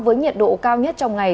với nhiệt độ cao nhất trong ngày